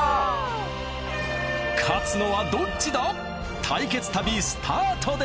勝つのはどっちだ？